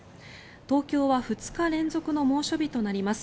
東京は２日連続の猛暑日となります。